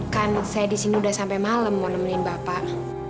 kan saya disini udah sampai malam mau nemenin bapak